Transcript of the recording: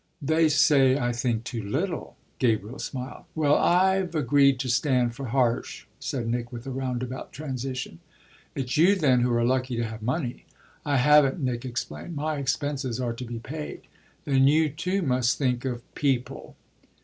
'" "They say I think too little," Gabriel smiled. "Well, I've agreed to stand for Harsh," said Nick with a roundabout transition. "It's you then who are lucky to have money." "I haven't," Nick explained. "My expenses are to be paid." "Then you too must think of 'people.'"